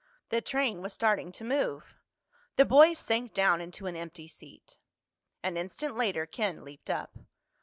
The train was starting to move. The boys sank down into an empty seat. An instant later Ken leaped up.